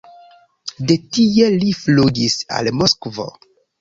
De tie li flugis al Moskvo.